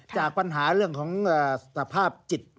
จากปัญหาเรื่องของสภาพจิต